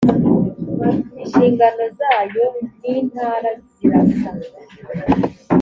inshingano zayo n intara zirasa